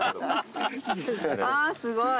あっすごい。